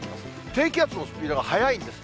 低気圧のスピードが速いんです。